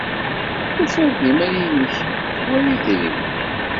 Tufiḍ-d iman-nnek war idrimen.